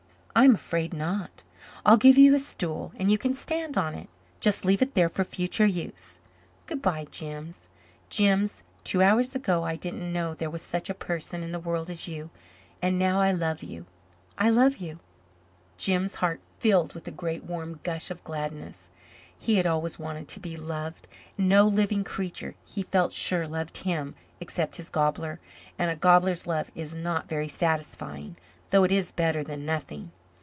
"I'm afraid not. I'll give you a stool and you can stand on it. Just leave it there for future use. Good bye, Jims. Jims, two hours ago I didn't know there was such a person in the world as you and now I love you I love you." Jims' heart filled with a great warm gush of gladness. He had always wanted to be loved. And no living creature, he felt sure, loved him, except his gobbler and a gobbler's love is not very satisfying, though it is better than nothing.